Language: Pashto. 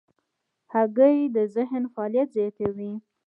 هګۍ د ذهن فعالیت زیاتوي.